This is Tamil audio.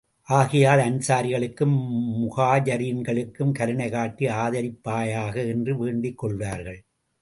ஆகையால், அன்சாரிகளுக்கும், முஹாஜரீன்களுக்கும் கருணை காட்டி ஆதரிப்பாயாக! என்று வேண்டிக் கொள்வார்கள்.